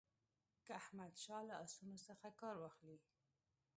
که احمدشاه له آسونو څخه کار واخلي.